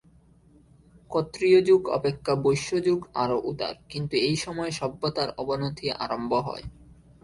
ক্ষত্রিয়যুগ অপেক্ষা বৈশ্যযুগ আরও উদার, কিন্তু এই সময় সভ্যতার অবনতি আরম্ভ হয়।